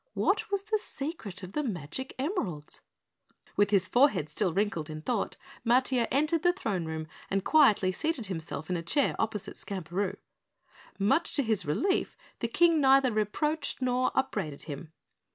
What was the secret of the magic emeralds? With his forehead still wrinkled in thought, Matiah entered the throne room and quietly seated himself in a chair opposite Skamperoo. Much to his relief, the King neither reproached nor upbraided him.